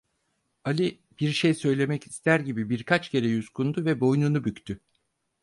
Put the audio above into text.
Ali bir şey söylemek ister gibi birkaç kere yutkundu ve boynunu büktü.